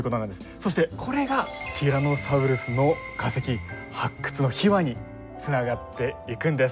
そしてこれがティラノサウルスの化石発掘の秘話につながっていくんです。